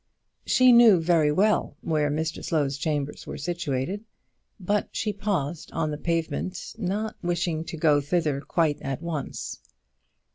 She knew very well where Mr Slow's chambers were situated, but she paused on the pavement, not wishing to go thither quite at once.